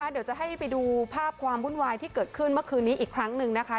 เดี๋ยวจะให้ไปดูภาพความวุ่นวายที่เกิดขึ้นเมื่อคืนนี้อีกครั้งหนึ่งนะคะ